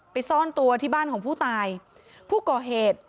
ซ่อนตัวที่บ้านของผู้ตายผู้ก่อเหตุ